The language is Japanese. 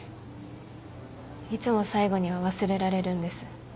いつも最後には忘れられるんです。